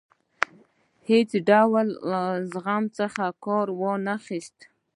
هیڅ ډول زغم څخه کار وانه خیست.